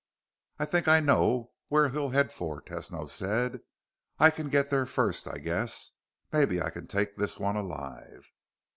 "I think I know where he'll head for," Tesno said. "I can get there first, I guess. Maybe I can take this one alive."